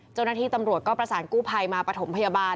เจ้าหน้าที่ตำรวจก็ประสานกู้ภัยมาปฐมพยาบาล